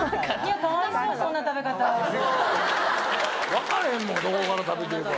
・分かれへんもんどこから食べてええか。